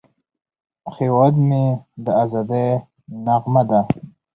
هیواد مې د ازادۍ نغمه ده